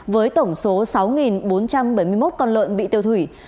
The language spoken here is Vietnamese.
với tổng số sáu bốn trăm bảy mươi một con lợn bị tiêu thủy